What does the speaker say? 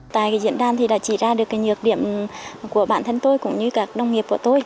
tại diễn đàn thì đã chỉ ra được cái nhược điểm của bản thân tôi cũng như các đồng nghiệp của tôi